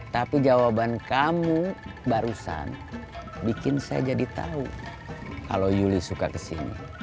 tapi jawaban kamu barusan bikin saya jadi tahu kalau yuli suka kesini